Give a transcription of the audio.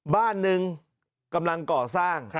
บ้านหนึ่งกำลังก่อสร้าง